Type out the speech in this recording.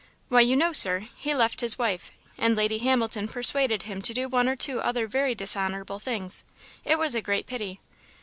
"Why, you know, Sir, he left his wife; and Lady Hamilton persuaded him to do one or two other very dishonourable things; it was a great pity!"